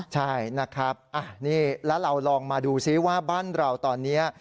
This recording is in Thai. ใช่นะครับนี่แล้วเราลองมาดูซิว่าบ้านเราตอนนี้